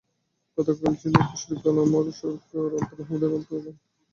গতকাল ছিল একুশের গানের অমর সুরকার শহীদ আলতাফ মাহমুদের অন্তর্ধান দিবস।